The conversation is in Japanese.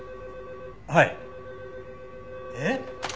はい。えっ？